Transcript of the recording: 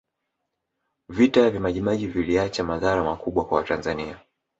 vita vya majimaji viliacha madhara makubwa kwa watanzania